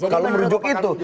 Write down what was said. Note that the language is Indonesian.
kalau merujuk itu